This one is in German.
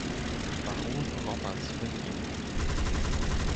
Baron Roberts verliehen.